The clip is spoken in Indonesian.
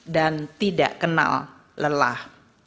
dan tidak kenal lelah